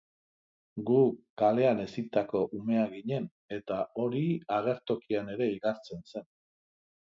Gu kalean hezitako umeak ginen, eta hori agertokian ere igartzen zen.